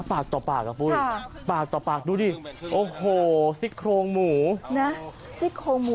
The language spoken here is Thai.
ปากต่อปากอ่ะปุ้ยปากต่อปากดูดิโอ้โหซิกโครงหมูนะซิกโครงหมู